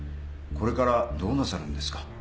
これからどうなさるんですか？